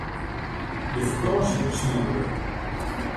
De fakânsje is sneon begûn.